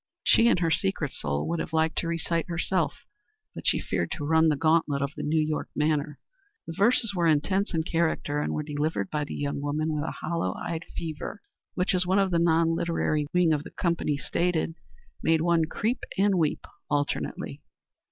She, in her secret soul, would have liked to recite herself, but she feared to run the gauntlet of the New York manner. The verses were intense in character and were delivered by the young woman with a hollow eyed fervor which, as one of the non literary wing of the company stated, made one creep and weep alternately.